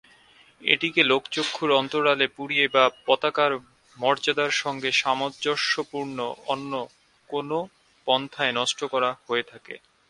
এটিকে লোকচক্ষুর অন্তরালে পুড়িয়ে বা পতাকার মর্যাদার সঙ্গে সামঞ্জস্যপূর্ণ অন্য কোনো পন্থায় নষ্ট করা হয়ে থাকে।